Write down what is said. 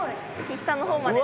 下の方まで。